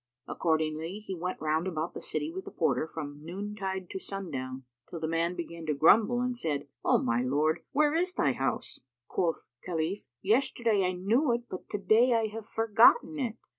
Accordingly, he went round about the city with the porter from noontide to sundown, till the man began to grumble and said, "O my lord, where is thy house?" Quoth Khalif, "Yesterday I knew it, but to day I have forgotten it."